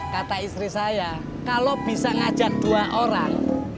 kata istri saya kalau bisa ngajar dua orang